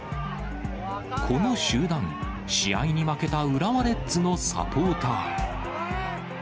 この集団、試合に負けた浦和レッズのサポーター。